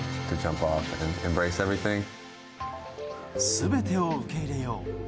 全てを受け入れよう。